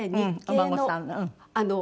お孫さんの。